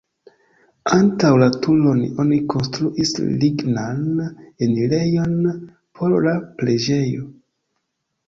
Antaŭ la turon oni konstruis lignan enirejon por la preĝejo.